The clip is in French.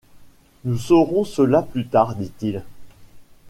Nous saurons cela plus tard, dit-il.